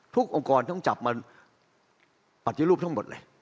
องค์กรต้องจับมาปฏิรูปทั้งหมดเลย